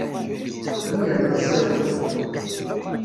Xdem yerna ur ssawal!